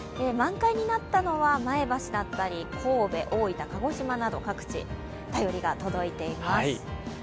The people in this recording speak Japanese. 満開になったのは前橋だったり神戸、大分、鹿児島など各地、便りが届いています。